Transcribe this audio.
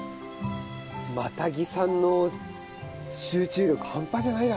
マタギさんの集中力半端じゃないだろうな。